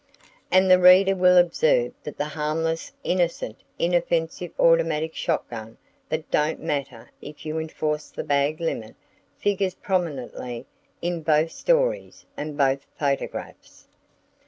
And the reader will observe that the harmless, innocent, inoffensive automatic shot gun, that "don't matter if you enforce the bag limit," figures prominently in both stories and both photographs.